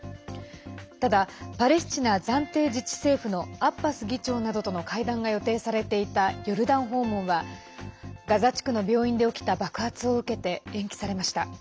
ただ、パレスチナ暫定自治政府のアッバス議長などとの会談が予定されていたヨルダン訪問はガザ地区の病院で起きた爆発を受けて延期されました。